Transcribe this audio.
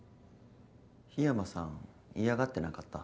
緋山さん嫌がってなかった？